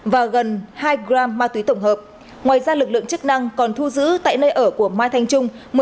và gần hai gram ma túy tổng hợp ngoài ra lực lượng chức năng còn thu giữ tại nơi ở của mai thanh trung